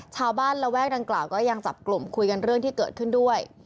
ระแวกดังกล่าวก็ยังจับกลุ่มคุยกันเรื่องที่เกิดขึ้นด้วย